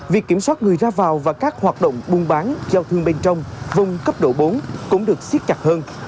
việc kiểm soát người ra vào và các hoạt động buôn bán giao thương bên trong vùng cấp độ bốn cũng được xiết chặt hơn